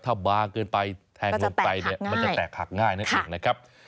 ถ้าบาเขินไปแทงลงไปมันจะแตกหักง่ายนะอีกนะครับ